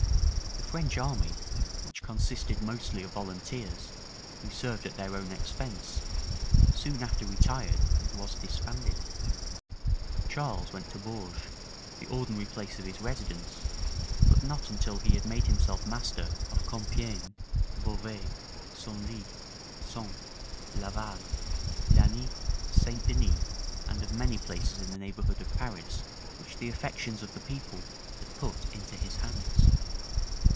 The French army, which consisted mostly of volunteers, who served at their own expense, soon after retired and was disbanded: Charles went to Bourges, the ordinary place of his residence; but not till he made himself master of Compiegne, Beauvais, Senlis, Sens, Laval, Lagni, St. Denis, and of many places in the neighborhood of Paris, which the affections of the people had put into his hands.